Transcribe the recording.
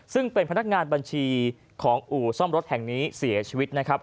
ซึ่งเป็นพนักงานบัญชีของอู่ซ่อมรถแห่งนี้เสียชีวิตนะครับ